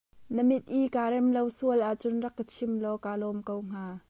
Na mit i kaa rem lo sual ahcun rak ka chim law kaa lawm ko hnga.